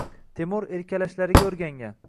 Temur erkalashlariga o’rgangan